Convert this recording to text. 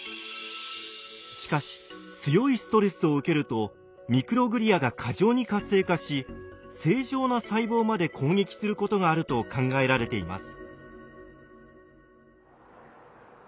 しかし強いストレスを受けるとミクログリアが過剰に活性化し正常な細胞まで攻撃することがあると考えられています。